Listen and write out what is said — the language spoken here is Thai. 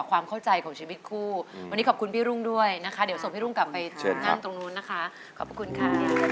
ความเข้าใจของชีวิตคู่วันนี้ขอบคุณพี่รุ่งด้วยนะคะเดี๋ยวส่งพี่รุ่งกลับไปเชิญนั่งตรงนู้นนะคะขอบคุณค่ะ